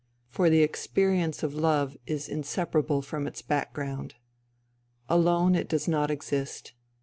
For the experience of love is inseparable 109 110 FUTILITY from its background. Alone it does not exist.